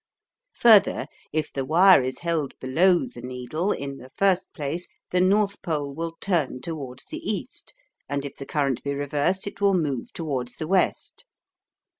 Further, if the wire is held below the needle, in the first place, the north pole will turn towards the east, and if the current be reversed it will move towards the west.